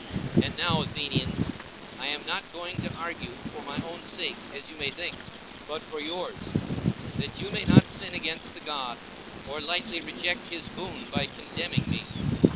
And now, Athenians, I am not going to argue for my own sake, as you may think, but for yours, that you may not sin against the God, or lightly reject his boon by condemning me.